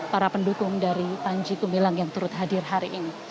para pendukung dari panji gumilang yang turut hadir hari ini